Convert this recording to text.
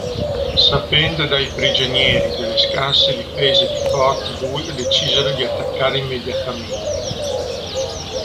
Sapendo dai prigionieri delle scarse difese di Fort Bull decisero di attaccare immediatamente.